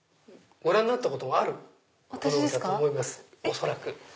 恐らく。